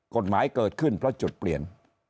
กฎหมายเกิดขึ้นเพราะจุดเปลี่ยน